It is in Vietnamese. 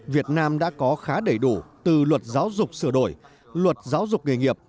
việt nam đã có khá đầy đủ từ luật giáo dục sửa đổi luật giáo dục nghề nghiệp